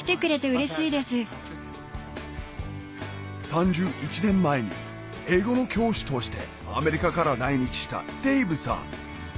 ３１年前に英語の教師としてアメリカから来日したデイブさん